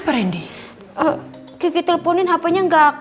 mereka itu siapa ya